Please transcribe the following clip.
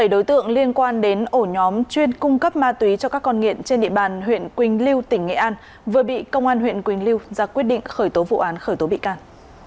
bảy đối tượng liên quan đến ổ nhóm chuyên cung cấp ma túy cho các con nghiện trên địa bàn huyện quỳnh lưu tỉnh nghệ an vừa bị công an huyện quỳnh lưu ra quyết định khởi tố vụ án khởi tố bị can